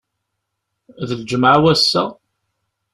D lǧemɛa wass-a?